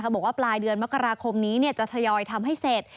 บอกว่าปลายเดือนมกราคมนี้จะทยอยทำให้เสร็จ